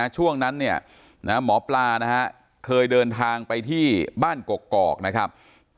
ช่วงนั้นเนี่ยหมอปลานะฮะเคยเดินทางไปที่บ้านกกอกนะครับ